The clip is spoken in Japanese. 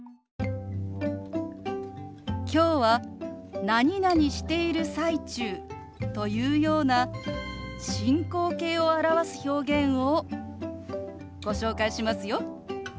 今日は「何々している最中」というような進行形を表す表現をご紹介しますよ。